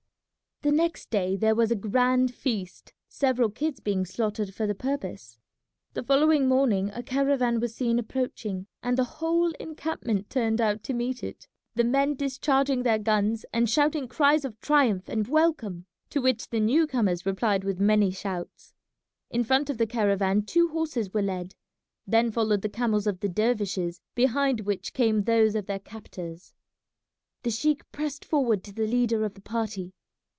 The next day there was a grand feast, several kids being slaughtered for the purpose. The following morning a caravan was seen approaching, and the whole encampment turned out to meet it, the men discharging their guns and shouting cries of triumph and welcome, to which the new comers replied with many shouts. In front of the caravan two horses were led; then followed the camels of the dervishes, behind which came those of their captors. The sheik pressed forward to the leader of the party.